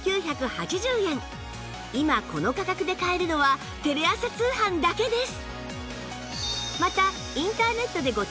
今この価格で買えるのはテレ朝通販だけです